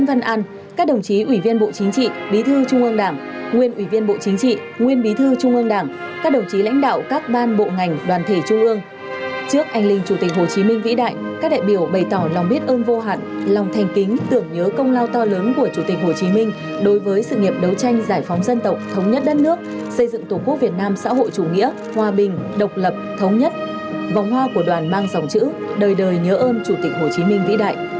vòng hoa của đoàn mang dòng chữ đời đời nhớ ơn chủ tịch hồ chí minh vĩ đại